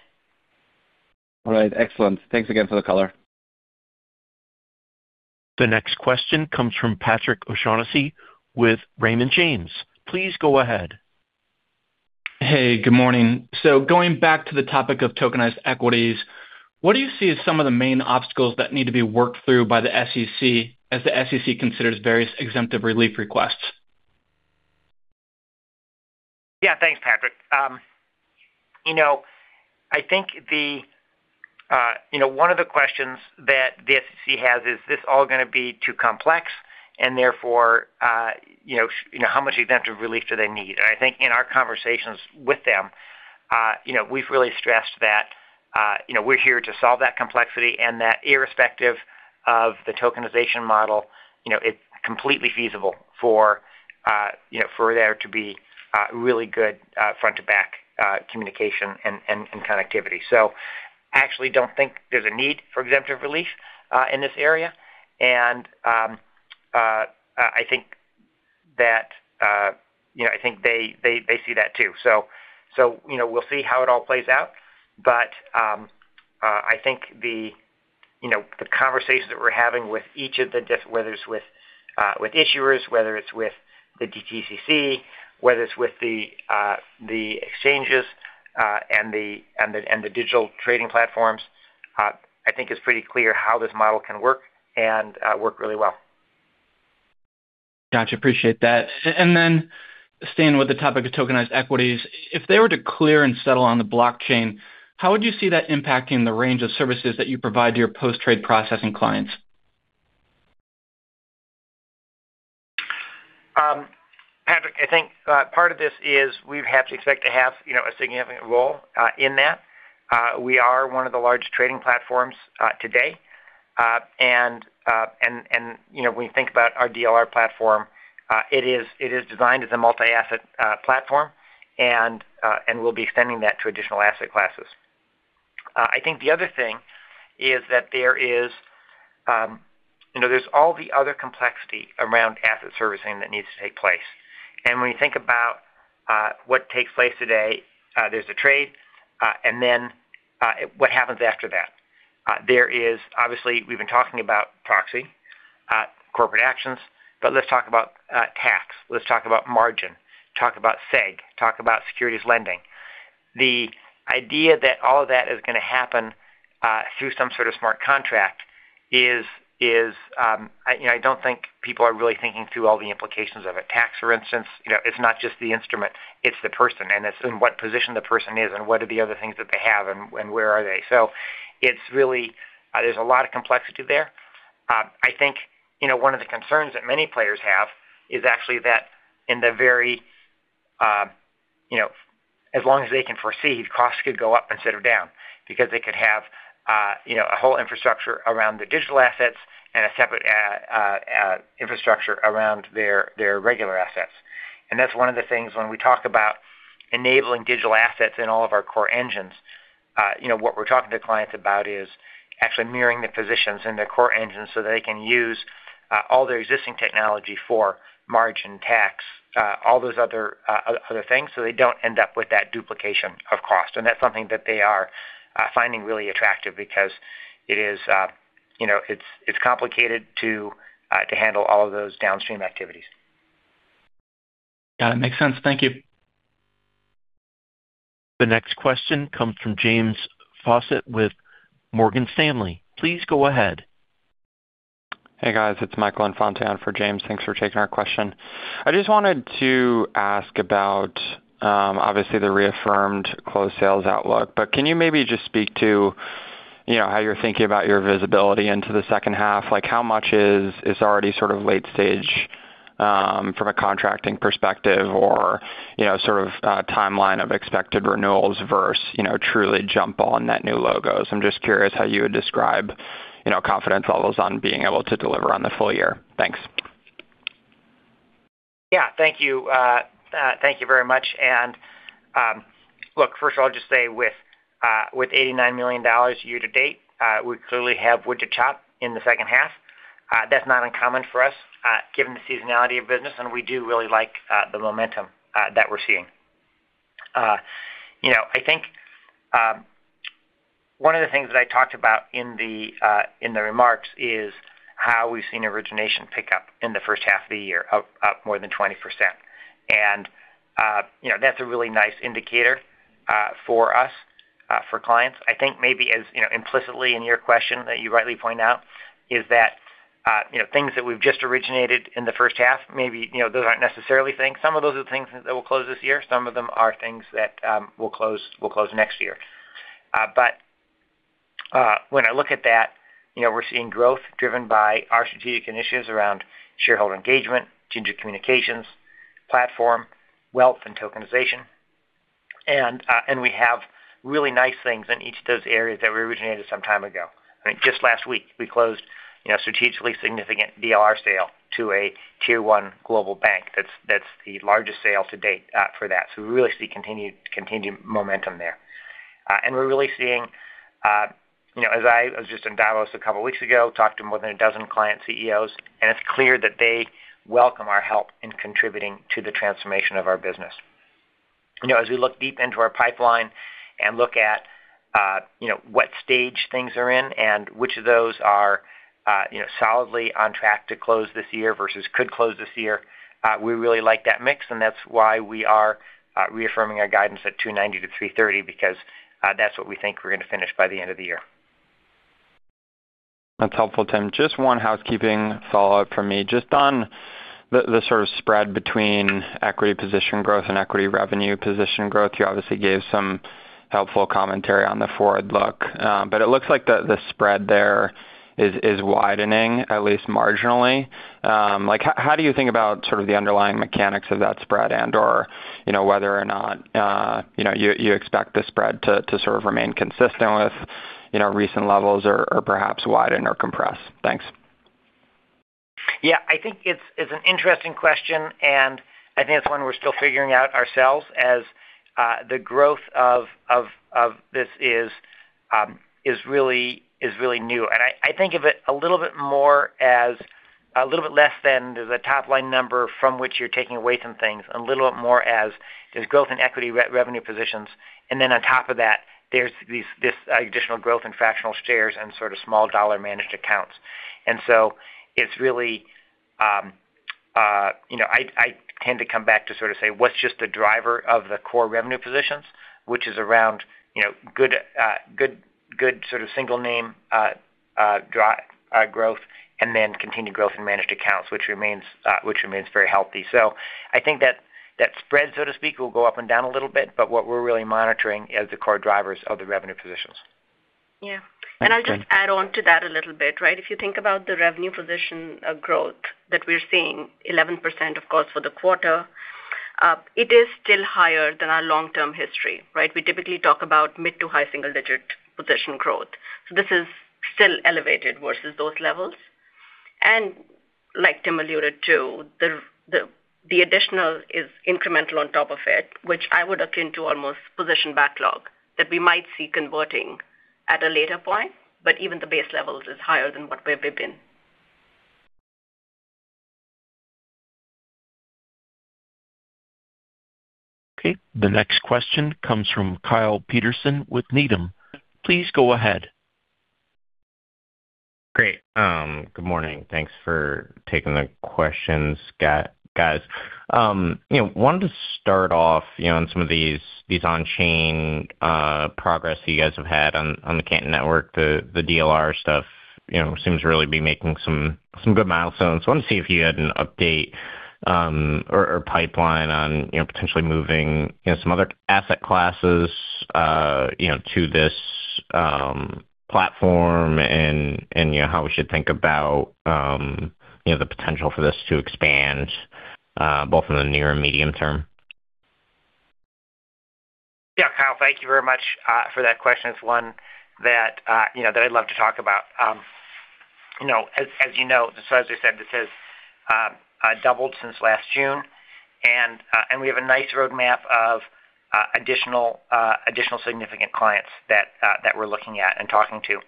All right. Excellent. Thanks again for the color. The next question comes from Patrick O'Shaughnessy with Raymond James. Please go ahead. Hey, good morning. So going back to the topic of tokenized equities, what do you see as some of the main obstacles that need to be worked through by the SEC as the SEC considers various exemptive relief requests? Yeah, thanks, Patrick. I think one of the questions that the SEC has is, "Is this all going to be too complex? And therefore, how much exemptive relief do they need?" And I think in our conversations with them, we've really stressed that we're here to solve that complexity. And that irrespective of the tokenization model, it's completely feasible for there to be really good front-to-back communication and connectivity. So I actually don't think there's a need for exemptive relief in this area. And I think that I think they see that too. So we'll see how it all plays out. But I think the conversations that we're having with each of the whether it's with issuers, whether it's with the DTCC, whether it's with the exchanges and the digital trading platforms, I think it's pretty clear how this model can work and work really well. Gotcha. Appreciate that. And then staying with the topic of tokenized equities, if they were to clear and settle on the blockchain, how would you see that impacting the range of services that you provide to your post-trade processing clients? Patrick, I think part of this is we have to expect to have a significant role in that. We are one of the largest trading platforms today. When you think about our DLR platform, it is designed as a multi-asset platform. We'll be extending that to additional asset classes. I think the other thing is that there's all the other complexity around asset servicing that needs to take place. When you think about what takes place today, there's a trade. Then what happens after that? Obviously, we've been talking about proxy, corporate actions. But let's talk about tax. Let's talk about margin. Talk about seg. Talk about securities lending. The idea that all of that is going to happen through some sort of smart contract is I don't think people are really thinking through all the implications of it. Tax, for instance, it's not just the instrument. It's the person. And it's in what position the person is and what are the other things that they have and where are they. So there's a lot of complexity there. I think one of the concerns that many players have is actually that in the very as long as they can foresee, costs could go up instead of down because they could have a whole infrastructure around the digital assets and a separate infrastructure around their regular assets. And that's one of the things when we talk about enabling digital assets in all of our core engines, what we're talking to clients about is actually mirroring the positions in their core engines so that they can use all their existing technology for margin, tax, all those other things so they don't end up with that duplication of cost. That's something that they are finding really attractive because it's complicated to handle all of those downstream activities. Got it. Makes sense. Thank you. The next question comes from James Faucette with Morgan Stanley. Please go ahead. Hey, guys. It's Michael Infante for James. Thanks for taking our question. I just wanted to ask about, obviously, the reaffirmed closed sales outlook. But can you maybe just speak to how you're thinking about your visibility into the second half? How much is already sort of late-stage from a contracting perspective or sort of timeline of expected renewals versus truly jump on net new logos? I'm just curious how you would describe confidence levels on being able to deliver on the full year. Thanks. Yeah, thank you. Thank you very much. And look, first of all, I'll just say with $89 million year-to-date, we clearly have wood to chop in the second half. That's not uncommon for us given the seasonality of business. And we do really like the momentum that we're seeing. I think one of the things that I talked about in the remarks is how we've seen origination pick up in the first half of the year up more than 20%. And that's a really nice indicator for us, for clients. I think maybe as implicitly in your question that you rightly point out is that things that we've just originated in the first half, maybe those aren't necessarily things. Some of those are things that will close this year. Some of them are things that will close next year. But when I look at that, we're seeing growth driven by our strategic initiatives around shareholder engagement, change of communications, platform, wealth, and tokenization. We have really nice things in each of those areas that we originated some time ago. I mean, just last week, we closed a strategically significant DLR sale to a tier-one global bank. That's the largest sale to date for that. So we really see continued momentum there. We're really seeing, as I was just in Davos a couple of weeks ago, talked to more than dozen client CEOs. It's clear that they welcome our help in contributing to the transformation of our business. As we look deep into our pipeline and look at what stage things are in and which of those are solidly on track to close this year versus could close this year, we really like that mix. That's why we are reaffirming our guidance at 290-330 because that's what we think we're going to finish by the end of the year. That's helpful, Tim. Just one housekeeping follow-up from me. Just on the sort of spread between equity position growth and equity revenue position growth, you obviously gave some helpful commentary on the forward look. But it looks like the spread there is widening, at least marginally. How do you think about sort of the underlying mechanics of that spread and/or whether or not you expect the spread to sort of remain consistent with recent levels or perhaps widen or compress? Thanks. Yeah, I think it's an interesting question. And I think it's one we're still figuring out ourselves as the growth of this is really new. And I think of it a little bit more as a little bit less than there's a top-line number from which you're taking away some things, a little bit more as there's growth in equity revenue positions. And then on top of that, there's this additional growth in fractional shares and sort of small dollar managed accounts. And so it's really I tend to come back to sort of say, "What's just the driver of the core revenue positions?" which is around good sort of single-name growth and then continued growth in managed accounts, which remains very healthy. So I think that spread, so to speak, will go up and down a little bit. What we're really monitoring as the core drivers of the revenue positions. Yeah. And I'll just add on to that a little bit, right? If you think about the revenue position growth that we're seeing, 11%, of course, for the quarter, it is still higher than our long-term history, right? We typically talk about mid to high single-digit position growth. So this is still elevated versus those levels. And like Tim alluded to, the additional is incremental on top of it, which I would akin to almost position backlog that we might see converting at a later point. But even the base level is higher than what we've been. Okay. The next question comes from Kyle Peterson with Needham. Please go ahead. Great. Good morning. Thanks for taking the questions, guys. Wanted to start off on some of these on-chain progress that you guys have had on the Canton Network. The DLR stuff seems to really be making some good milestones. Wanted to see if you had an update or pipeline on potentially moving some other asset classes to this platform and how we should think about the potential for this to expand both in the near and medium term. Yeah, Kyle, thank you very much for that question. It's one that I'd love to talk about. As you know, as I said, this has doubled since last June. We have a nice roadmap of additional significant clients that we're looking at and talking to.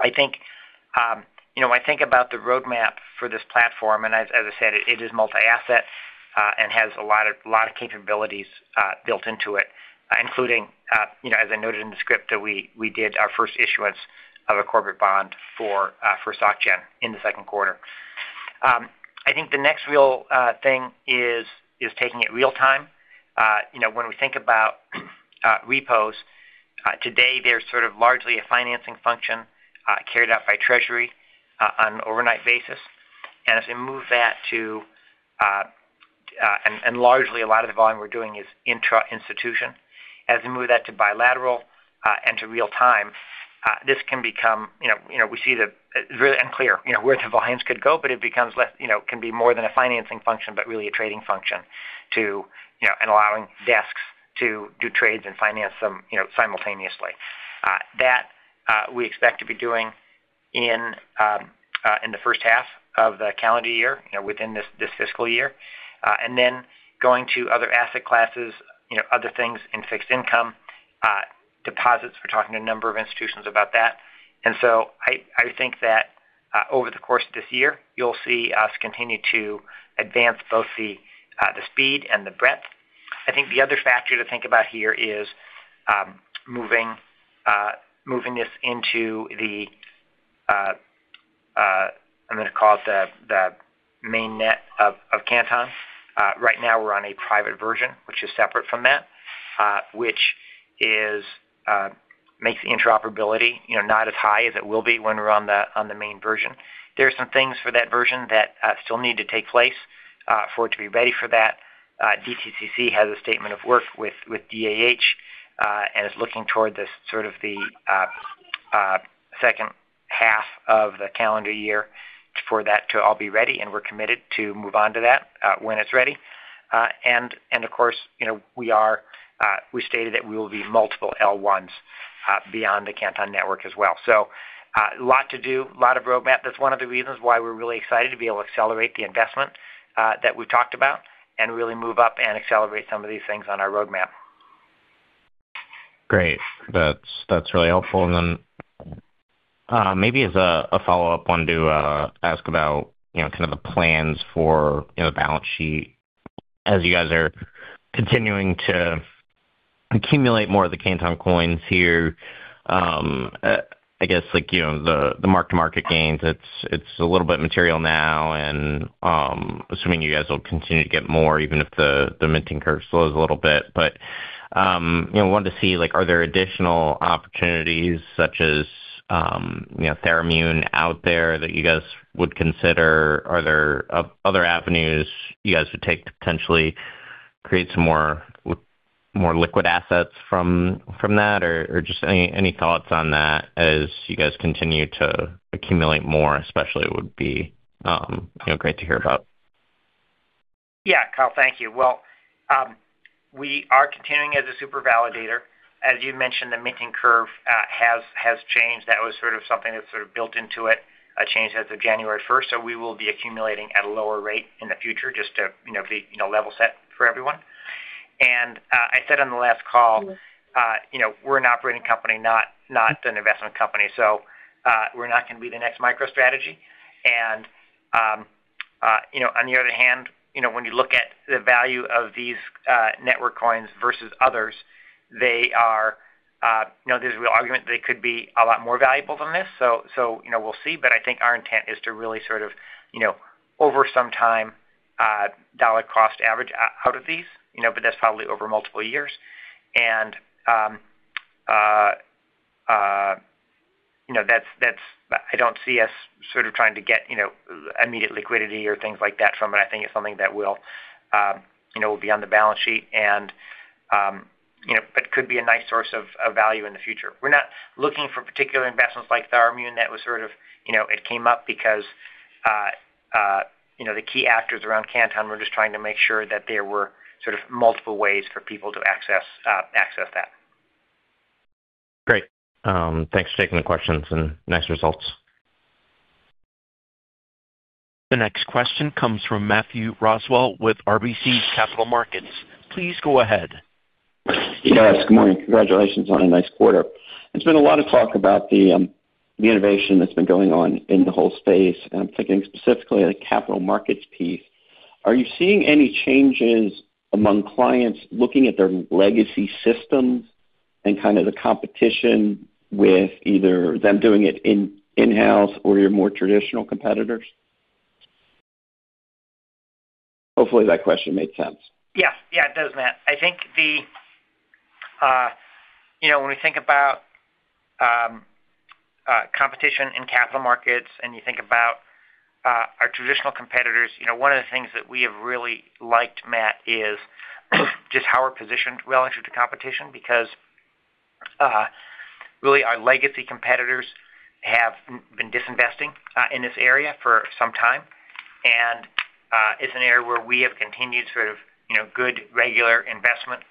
I think when I think about the roadmap for this platform and as I said, it is multi-asset and has a lot of capabilities built into it, including as I noted in the script, we did our first issuance of a corporate bond for SocGen in the second quarter. I think the next real thing is taking it real-time. When we think about repos, today, there's sort of largely a financing function carried out by Treasury on an overnight basis. And as we move that to and largely, a lot of the volume we're doing is intra-institution. As we move that to bilateral and to real-time, this can become. We see the—it's really unclear where the volumes could go. But it can be more than a financing function but really a trading function and allowing desks to do trades and finance them simultaneously. That we expect to be doing in the first half of the calendar year within this fiscal year. And then going to other asset classes, other things in fixed income, deposits, we're talking to a number of institutions about that. And so I think that over the course of this year, you'll see us continue to advance both the speed and the breadth. I think the other factor to think about here is moving this into the—I'm going to call it the mainnet of Canton. Right now, we're on a private version, which is separate from that, which makes the interoperability not as high as it will be when we're on the main version. There are some things for that version that still need to take place for it to be ready for that. DTCC has a statement of work with DAH and is looking toward sort of the second half of the calendar year for that to all be ready. And we're committed to move on to that when it's ready. And of course, we stated that we will be multiple L1s beyond the Canton Network as well. So a lot to do, a lot of roadmap. That's one of the reasons why we're really excited to be able to accelerate the investment that we've talked about and really move up and accelerate some of these things on our roadmap. Great. That's really helpful. And then maybe as a follow-up one, do ask about kind of the plans for the balance sheet as you guys are continuing to accumulate more of the Canton Coins here. I guess the mark-to-market gains, it's a little bit material now. And assuming you guys will continue to get more even if the minting curve slows a little bit. But I wanted to see, are there additional opportunities such as Tharimmune out there that you guys would consider? Are there other avenues you guys would take to potentially create some more liquid assets from that? Or just any thoughts on that as you guys continue to accumulate more, especially would be great to hear about. Yeah, Kyle, thank you. Well, we are continuing as a Super Validator. As you mentioned, the minting curve has changed. That was sort of something that's sort of built into it, a change as of January 1st. So we will be accumulating at a lower rate in the future just to be level set for everyone. And I said on the last call, we're an operating company, not an investment company. So we're not going to be the next MicroStrategy. And on the other hand, when you look at the value of these network coins versus others, they are, there's a real argument that they could be a lot more valuable than this. So we'll see. But I think our intent is to really sort of over some time, dollar-cost average out of these. But that's probably over multiple years. And I don't see us sort of trying to get immediate liquidity or things like that from it. I think it's something that will be on the balance sheet but could be a nice source of value in the future. We're not looking for particular investments like Tharimmune that was sort of it came up because the key actors around Canton. We're just trying to make sure that there were sort of multiple ways for people to access that. Great. Thanks for taking the questions and nice results. The next question comes from Matthew Roswell with RBC Capital Markets. Please go ahead. Yes, good morning. Congratulations on a nice quarter. It's been a lot of talk about the innovation that's been going on in the whole space. And I'm thinking specifically of the Capital Markets piece. Are you seeing any changes among clients looking at their legacy systems and kind of the competition with either them doing it in-house or your more traditional competitors? Hopefully, that question made sense. Yeah, yeah, it does, Matt. I think when we think about competition in Capital Markets and you think about our traditional competitors, one of the things that we have really liked, Matt, is just how we're positioned relative to competition because really, our legacy competitors have been disinvesting in this area for some time. It's an area where we have continued sort of good regular investment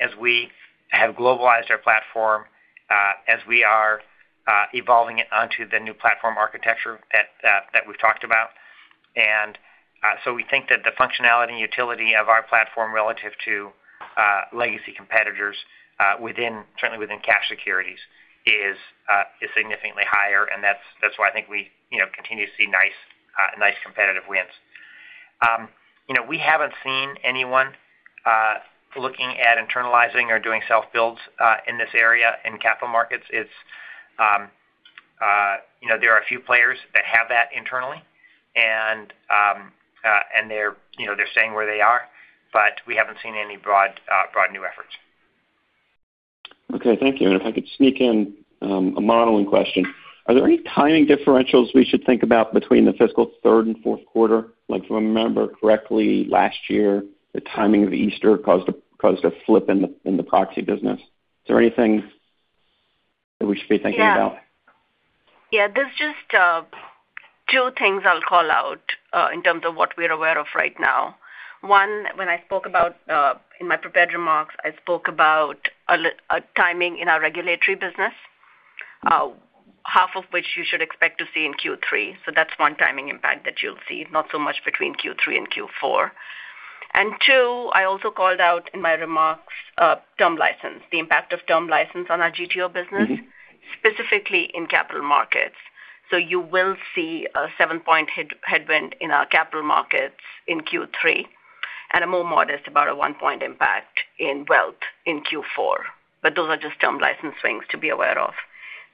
as we have globalized our platform, as we are evolving it onto the new platform architecture that we've talked about. So we think that the functionality and utility of our platform relative to legacy competitors, certainly within cash securities, is significantly higher. That's why I think we continue to see nice competitive wins. We haven't seen anyone looking at internalizing or doing self-builds in this area in Capital Markets. There are a few players that have that internally. They're staying where they are. But we haven't seen any broad new efforts. Okay, thank you. And if I could sneak in a modeling question, are there any timing differentials we should think about between the fiscal third and fourth quarter? If I remember correctly, last year, the timing of Easter caused a flip in the proxy business. Is there anything that we should be thinking about? Yeah. Yeah, there's just 2 things I'll call out in terms of what we're aware of right now. One, when I spoke about in my prepared remarks, I spoke about timing in our regulatory business, half of which you should expect to see in Q3. So that's 1 timing impact that you'll see, not so much between Q3 and Q4. And two, I also called out in my remarks term license, the impact of term license on our GTO business, specifically in Capital Markets. So you will see a 7-point headwind in our Capital Markets in Q3 and a more modest, about a 1-point impact in wealth in Q4. But those are just term license swings to be aware of.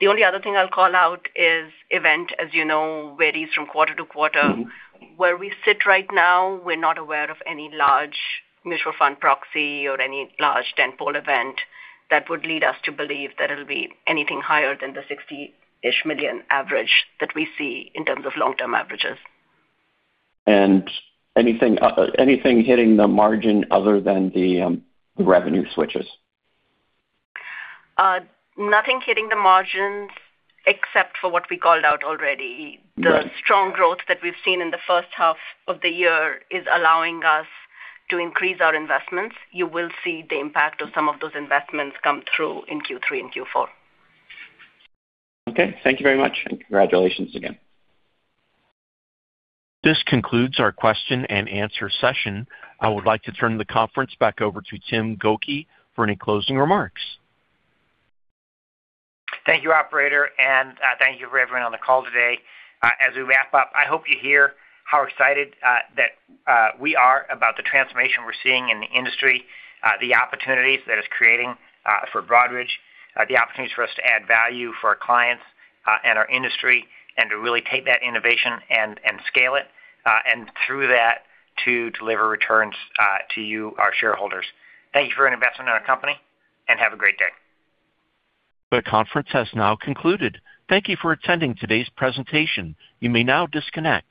The only other thing I'll call out is event, as you know, varies from quarter to quarter. Where we sit right now, we're not aware of any large mutual fund proxy or any large tentpole event that would lead us to believe that it'll be anything higher than the $60-ish million average that we see in terms of long-term averages. Anything hitting the margin other than the revenue switches? Nothing hitting the margins except for what we called out already. The strong growth that we've seen in the first half of the year is allowing us to increase our investments. You will see the impact of some of those investments come through in Q3 and Q4. Okay. Thank you very much. Congratulations again. This concludes our question and answer session. I would like to turn the conference back over to Tim Gokey for any closing remarks. Thank you, operator. Thank you for everyone on the call today. As we wrap up, I hope you hear how excited that we are about the transformation we're seeing in the industry, the opportunities that it's creating for Broadridge, the opportunities for us to add value for our clients and our industry and to really take that innovation and scale it and through that to deliver returns to you, our shareholders. Thank you for your investment in our company. Have a great day. The conference has now concluded. Thank you for attending today's presentation. You may now disconnect.